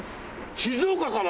静岡から？